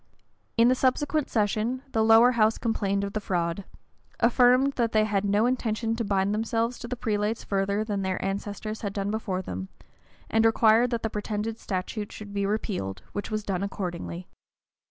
In the subsequent session, the lower house complained of the fraud; affirmed, that they had no intention to bind themselves to the prelates further than their ancestors had done before them; and required that the pretended statute should be repealed, which was done accordingly.